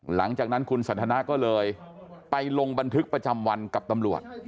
หลังจากนั้นคุณสันทนาก็เลยไปลงบันทึกประจำวันกับตำรวจ